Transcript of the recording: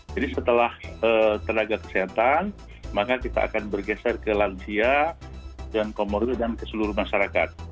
jadi setelah tenaga kesehatan maka kita akan bergeser ke langsia dan comorbid dan ke seluruh masyarakat